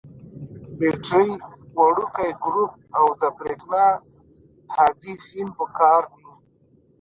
بټرۍ، وړوکی ګروپ او د برېښنا هادي سیم پکار دي.